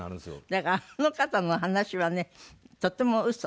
だからあの方の話はねとても嘘。